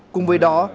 cùng với đó